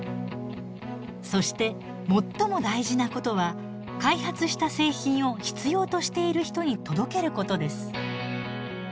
そして最も大事なことは開発した製品を必要としている人に届けることです。